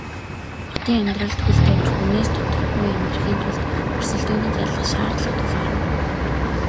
Хотын амьдралд хөл тавьж хүнээс дутахгүй амьдрахын тулд өрсөлдөөнийг ялах шаардлага тулгарна.